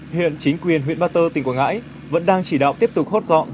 hiện chính quyền huyện ba tơ tỉnh quảng ngãi vẫn đang chỉ đạo tiếp tục hốt dọn